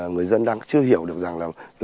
người dân đang chưa hiểu được rằng